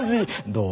どう？